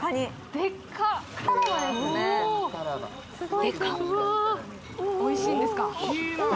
デカッおいしいんですか？